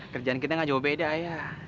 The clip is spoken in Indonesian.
kerjaan kita gak jauh beda ya